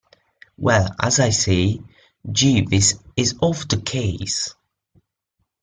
Well, as I say, Jeeves is off the case.